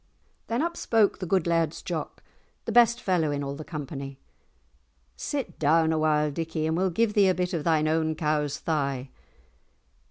Then up spoke the good Laird's Jock, the best fellow in all the company, "Sit down a while, Dickie, and we'll give thee a bit of thine own cow's thigh."